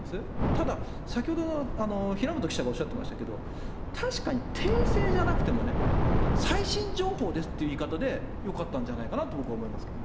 ただ、先ほどの平本記者がおっしゃってましたけど、確かに訂正じゃなくてもね、最新情報ですっていい方でよかったんじゃないかなと僕は思います